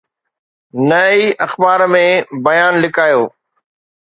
نه ئي اخبار ۾ بيان لڪايو.